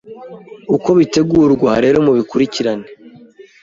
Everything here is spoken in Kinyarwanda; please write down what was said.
Uko bitegurwa rero mubikurikirane